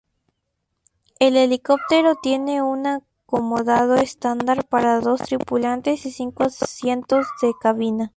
El helicóptero tiene un acomodo estándar para dos tripulantes y cinco asientos de cabina.